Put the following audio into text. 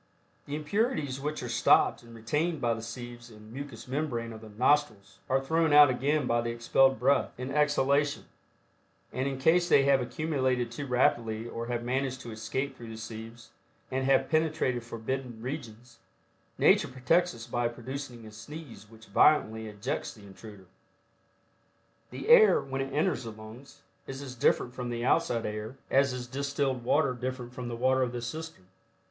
The impurities which are stopped and retained by the sieves and mucous membrane of the nostrils, are thrown out again by the expelled breath, in exhalation, and in case they have accumulated too rapidly or have managed to escape through the sieves and have penetrated forbidden regions, nature protects us by producing a sneeze which violently ejects the intruder. The air, when it enters the lungs is as different from the outside air, as is distilled water different from the water of the cistern.